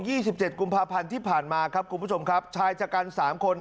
อ้างกุมภาพันธ์ที่ผ่านมาครับคุณผู้ชมครับชายจักรรม๓คน